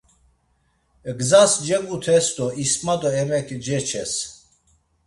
Gzas cugutes do İsma do Emek ceçes.